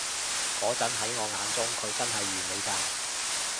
嗰陣喺我眼中，佢真係完美㗎